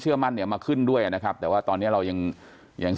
มั่นเนี่ยมาขึ้นด้วยนะครับแต่ว่าตอนนี้เรายังยัง